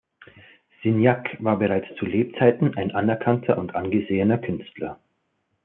Signac war bereits zu Lebzeiten ein anerkannter und angesehener Künstler.